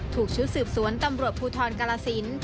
ชุดสืบสวนตำรวจภูทรกาลสิน